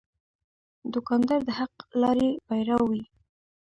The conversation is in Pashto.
دوکاندار د حق لارې پیرو وي.